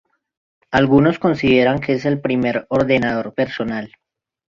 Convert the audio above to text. Algunos consideran que es el primer ordenador personal.